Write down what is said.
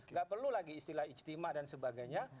nggak perlu lagi istilah ijtima dan sebagainya